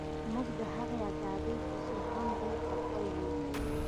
موږ د هغې ازادۍ پسې هم ډیر خفه یو